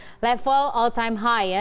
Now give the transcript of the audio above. jadi level all time high ya